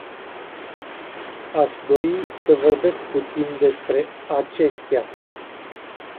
Aș dori să vorbesc puțin despre acestea.